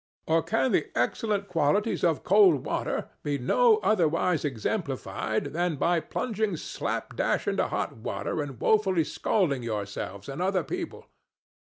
Or can the excellent qualities of cold water be no otherwise exemplified than by plunging slapdash into hot water and woefully scalding yourselves and other people?